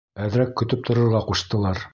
— Әҙерәк көтөп торорға ҡуштылар.